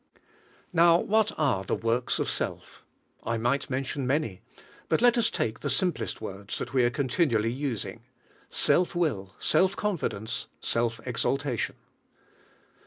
Now what are the works of self .^ I might men THE SELF LIFE 31 tion many, but let us take the simplest words that we are continually using, — self will, self confi dence, self exaltation.